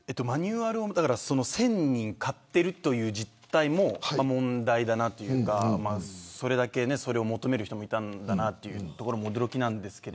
１０００人が買っているという実態も問題だなというかそれだけ、それを求める人もいたんだというのも驚きですが。